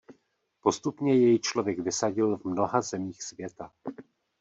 Postupně jej člověk vysadil v mnoha zemích světa.